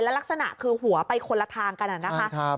แล้วลักษณะคือหนีหัวไปคนละทางกันน่ะนะคะ